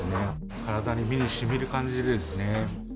体にビールがしみる感じですね。